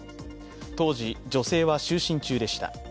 当時、女性は就寝中でした。